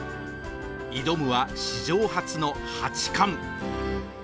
挑むは史上初の八冠。